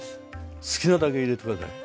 好きなだけ入れて下さい。